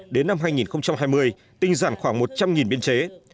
đến năm hai nghìn hai mươi tinh giản khoảng một trăm linh biên chế